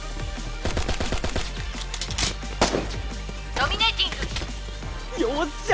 「」「」「ドミネーティング」よっしゃ！